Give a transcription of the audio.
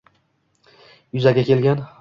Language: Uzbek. yuzaga kelgan